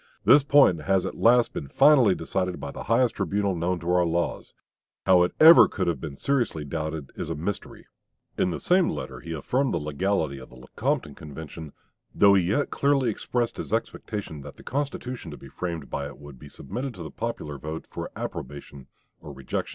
This point has at last been finally decided by the highest tribunal known to our laws. How it could ever have been seriously doubted is a mystery." In the same letter he affirmed the legality of the Lecompton Convention, though he yet clearly expressed his expectation that the constitution to be framed by it would be submitted to the popular vote for "approbation or rejection."